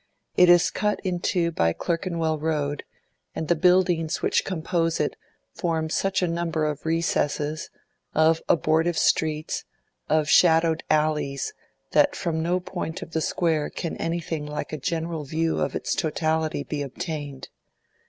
It is cut in two by Clerkenwell Road, and the buildings which compose it form such a number of recesses, of abortive streets, of shadowed alleys, that from no point of the Square can anything like a general view of its totality be obtained.